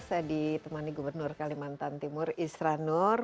saya ditemani gubernur kalimantan timur isra nur